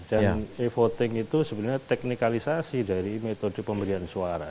dan e voting itu sebenarnya teknikalisasi dari metode pemberian suara